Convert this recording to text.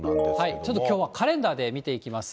ちょっときょうは、カレンダーで見ていきます。